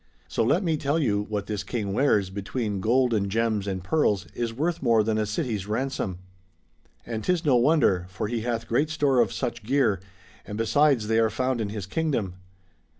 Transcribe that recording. So let me tell you, what this King wears, between gold and gems and pearls, is worth more than a city's ransom. And 'tis no wonder; for he hath great store of such gear; and besides they are found in his kingdom.